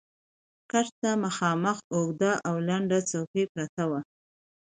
کټ ته مخامخ اوږده او لنډه څوکۍ پرته وه.